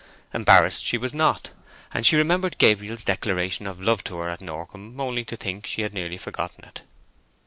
Embarrassed she was not, and she remembered Gabriel's declaration of love to her at Norcombe only to think she had nearly forgotten it.